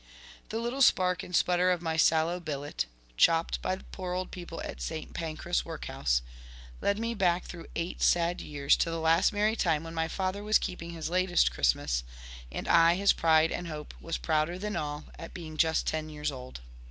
The little spark and sputter of my sallow billet (chopped by the poor old people at St. Pancras workhouse) led me back through eight sad years to the last merry time when my father was keeping his latest Christmas, and I his pride and hope was prouder than all, at being just ten years old.